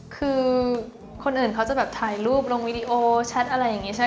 คือคนอื่นเขาจะถ่ายรูปลงวิดีโอแชทอะไรอย่างนี้